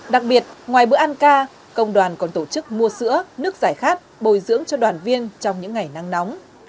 đặc biệt ngoài bữa ăn ca công đoàn còn tổ chức mua sữa nước giải khát bồi dưỡng cho đoàn viên trong những ngày nắng nóng